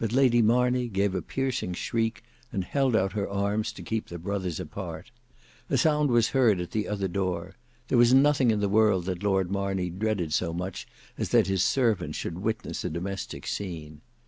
But Lady Marney gave a piercing shriek, and held out her arms to keep the brothers apart. A sound was heard at the other door; there was nothing in the world that Lord Marney dreaded so much as that his servants should witness a domestic scene.